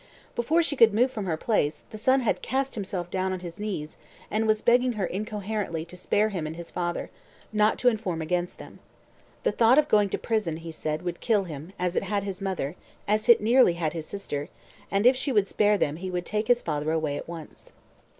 Before she could move from her place, the son had cast himself down on his knees, and was begging her incoherently to spare him and his father not to inform against them. The thought of going to prison, he said, would kill him, as it had his mother, as it nearly had his sister; and if she would spare them, he would take his father away at once.